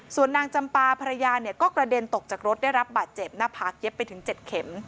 ส่วนนางจำปาภรรยาก็กระเด็นตกจากรถได้รับบาดเจ็บหน้าผากเย็บไปถึง๗เข็ม